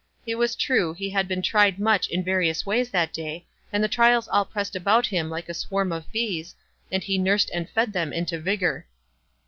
It was true, he had been tried much in various ways that day, and the trials all pressed about him like a swarm of bees, and he nursed and fed them into vigor.